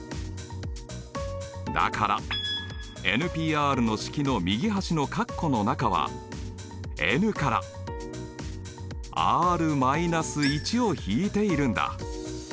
だからＰの式の右端のカッコの中はｎからｒー１を引いているんだ。